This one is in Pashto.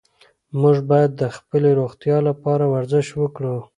موږ باید د خپلې روغتیا لپاره ورزش وکړو.